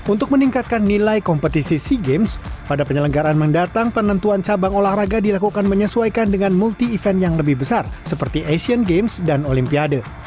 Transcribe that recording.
untuk meningkatkan nilai kompetisi sea games pada penyelenggaraan mendatang penentuan cabang olahraga dilakukan menyesuaikan dengan multi event yang lebih besar seperti asian games dan olimpiade